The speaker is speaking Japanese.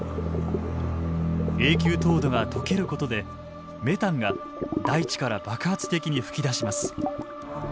永久凍土がとけることでメタンが大地から爆発的に噴き出します。